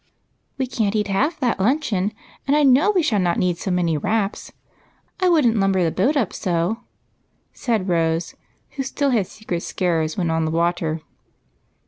" We can't eat half that luncheon, and I know we shall not need so many wraps. I wouldn't lumber the boat up so," said Rose, who still had secret scares when on the water.